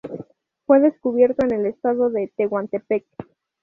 Fue descubierto en el estado de Tehuantepec.